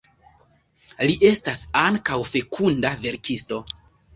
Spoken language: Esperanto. Li estas ankaŭ fekunda verkisto.